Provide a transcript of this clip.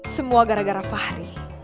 semua gara gara fahri